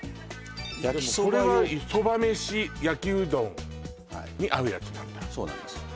これはそばめし焼うどんに合うやつなんだそうなんです